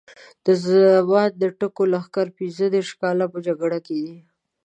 د زمان د ټکو لښکر پینځه دېرش کاله په جګړه کې دی.